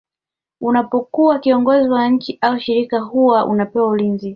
unapokuwa kiongozi wa nchi au shirika huwa unapewa ulinzi